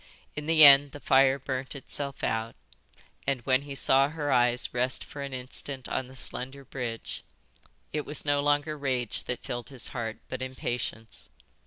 In the end the fire burnt itself out and, when he saw her eyes rest for an instant on the slender bridge, it was no longer rage that filled his heart but impatience.